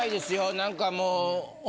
何かもう。